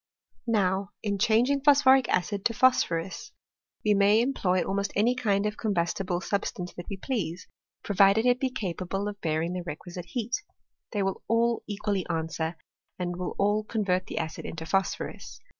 Now, in changing phosphoric acid into phosphorus, we may employ almost any kind of combustible sub? stanqe that we please, provided it be capable of bear ing tl>e requisite heat ; they will all equally answer, and will all convert the acid into phosphorus.